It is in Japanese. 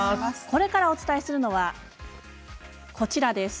これからお伝えするのはこちらです。